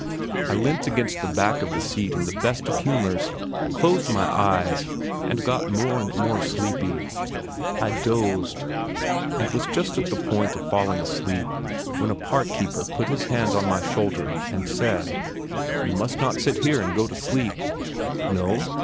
I leant against the back of the seat in the best of humours, closed my eyes, and got more and more sleepy. I dozed, and was just on the point of falling asleep, when a park keeper put his hand on my shoulder and said: "You must not sit here and go to sleep!" "No?"